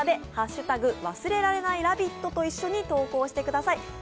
Ｔｗｉｔｔｅｒで「＃忘れられないラヴィット」と一緒に投稿してください。